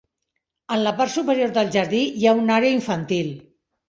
En la part superior del jardí hi ha una àrea infantil.